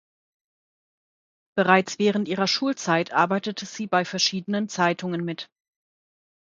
Bereits während ihrer Schulzeit arbeitete sie bei verschiedenen Zeitungen mit.